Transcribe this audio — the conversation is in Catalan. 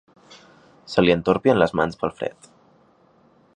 Se li entorpien les mans pel fred.